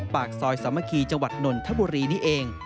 ปากซอยสามัคคีจังหวัดนนทบุรีนี่เอง